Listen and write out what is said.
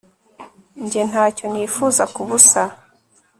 njye, ntacyo nifuza kubusa